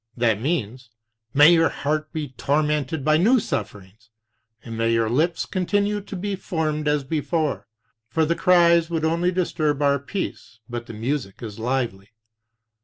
That means: May your heart be tormented by new sufferings, and may your lips continue to be formed as before; for the cries would only disturb our peace, but the music is lively.